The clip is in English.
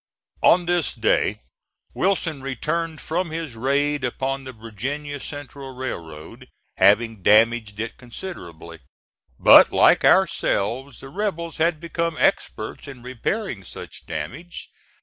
On this day Wilson returned from his raid upon the Virginia Central Railroad, having damaged it considerably. But, like ourselves, the rebels had become experts in repairing such damage.